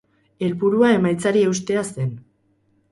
Helburua emaitzari eustea zen.